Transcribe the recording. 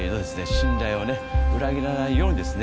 信頼をね裏切らないようにですね